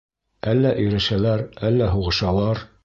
Әллә ирешәләр, әллә һуғышалар.